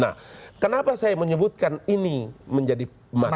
nah kenapa saya menyebutkan ini menjadi masalah